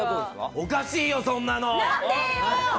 おかしいよ、そんなの。